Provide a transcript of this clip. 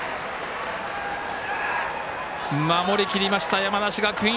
守りきりました、山梨学院。